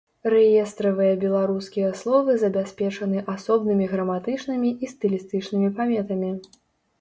Рэестравыя беларускія словы забяспечаны асобнымі граматычнымі і стылістычнымі паметамі.